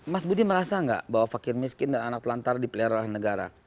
mas budi merasa nggak bahwa fakir miskin dan anak lantar dipelihara oleh negara